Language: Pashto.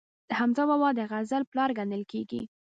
حمزه بابا د غزل پلار ګڼل کیږي.